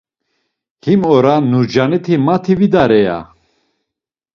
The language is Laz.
Him ora Nurcaniti mati vidare, ya.